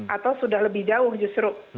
atau sudah lebih jauh justru